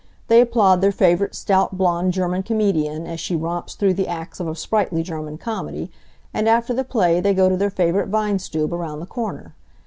They applaud their favorite stout, blond, German comedienne as she romps through the acts of a sprightly German comedy, and after the play they go to their favorite Wein stube around the corner.